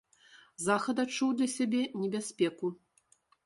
Захад адчуў для сябе небяспеку.